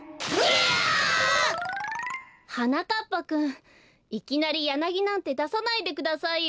ギャ！はなかっぱくんいきなりヤナギなんてださないでくださいよ。